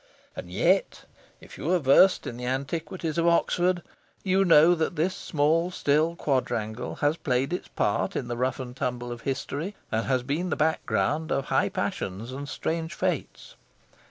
And yet, if you are versed in the antiquities of Oxford, you know that this small, still quadrangle has played its part in the rough and tumble of history, and has been the background of high passions and strange fates.